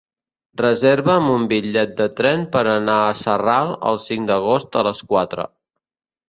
Reserva'm un bitllet de tren per anar a Sarral el cinc d'agost a les quatre.